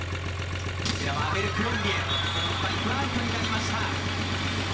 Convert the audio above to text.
アベルクロンビエのスパイクはアウトになりました。